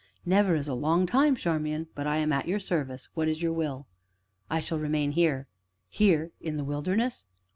"Never is a long time, Charmian but I am at your service what is your will?" "I shall remain here." "Here? In the wilderness?"